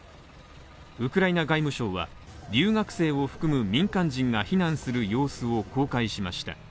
ウクライナ外務省は留学生を含む民間人が避難する様子を公開しました。